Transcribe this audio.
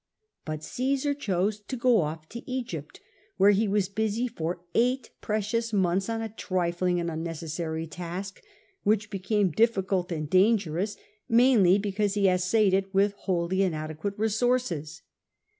But Oassar chose to go oflE to Egypt, where he was busy for eight precious months on a trifling and unnecessary task, which became difficult and dan gerous merely because he essayed it with wholly in adequate resources.